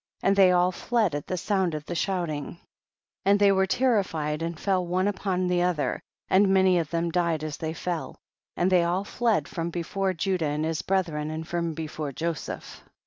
45. And they all fled at the sound of the shouting, and they were ter lified and fell one upon the other, and many of them died as they fell, and they all fled from before Judah and his brethren and from before Jo seph.